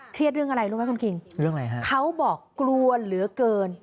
เครียดเรื่องอะไรรู้ไหมคุณคิงเค้าบอกกลัวเหลือเกิน